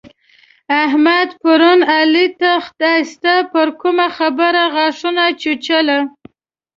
احمد پرون علي ته خداسته پر کومه خبره غاښونه چيچل.